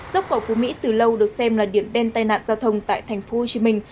dốc cầu phú mỹ từ lâu được xem là điểm đen tai nạn giao thông tại thành phố hồ chí minh